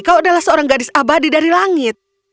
kau adalah seorang gadis abadi dari langit